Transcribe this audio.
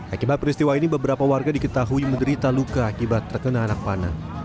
akibat peristiwa ini beberapa warga diketahui menderita luka akibat terkena anak panah